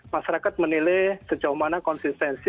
masyarakat menilai sejauh mana konsistensi